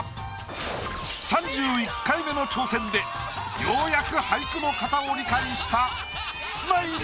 ３１回目の挑戦でようやく俳句の型を理解した。